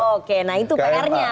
oke nah itu pr nya